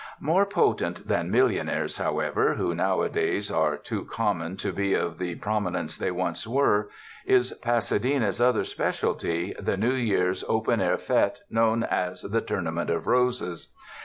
More potent than millionaires, however, who nowadays are too common to be of the prominence they once were, is Pasadena's other specialty, the New Year's open air fete, known as the Tourna ment of Roses.